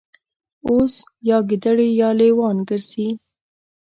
اوس یا ګیدړې یا لېوان ګرځي